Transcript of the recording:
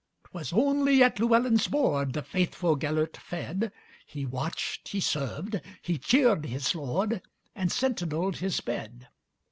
'T was only at Llewelyn's boardThe faithful Gêlert fed; He watched, he served, he cheered his lord, And sentineled his bed.